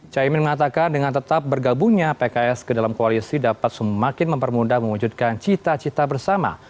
caimin mengatakan dengan tetap bergabungnya pks ke dalam koalisi dapat semakin mempermudah mewujudkan cita cita bersama